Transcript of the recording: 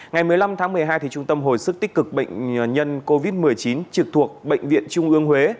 ngày một mươi năm tháng một mươi hai trung tâm hồi sức tích cực bệnh nhân covid một mươi chín trực thuộc bệnh viện trung ương huế